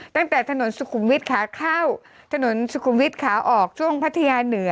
ตั้งแต่ถนนสุขุมวิทย์ขาเข้าถนนสุขุมวิทย์ขาออกช่วงพัทยาเหนือ